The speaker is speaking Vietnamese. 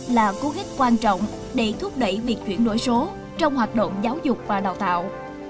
là cú hích quan trọng để thúc đẩy việc chuyển đổi số trong hoạt động giáo dục và đào tạo